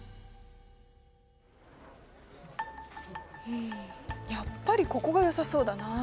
うんやっぱりここがよさそうだな。